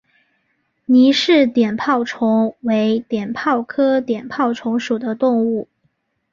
倪氏碘泡虫为碘泡科碘泡虫属的动物。